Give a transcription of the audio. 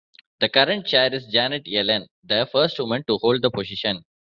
The current chair is Janet Yellen, the first woman to hold the position.